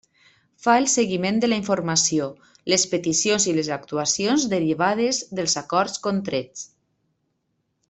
Fa el seguiment de la informació, les peticions i les actuacions derivades dels acords contrets.